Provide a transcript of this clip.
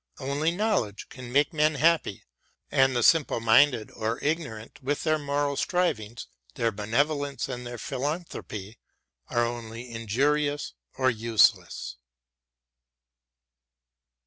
Only knowledge can make men happy, and the simple minded or ignorant with their moral strivings, their benevolence and their philanthropy are only injurious or useless.